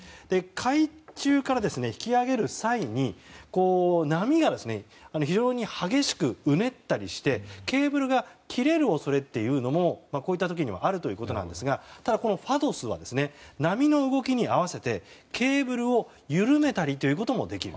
海中から引き揚げる際に波が非常に激しくうねったりしてケーブルが切れる恐れもこういった時にはあるということですがただ、ＦＡＤＯＳＳは波の動きに合わせてケーブルを緩めたりもできる。